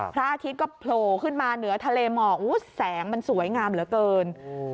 พระอาทิตย์ก็โผล่ขึ้นมาเหนือทะเลหมอกแสงมันสวยงามเหลือเกิน